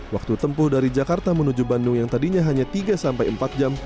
waktu tempuh dari jakarta menuju bandung yang tadinya hanya tiga sampai empat jam